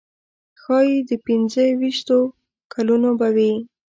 ښایي د پنځه ویشتو کلونو به وي.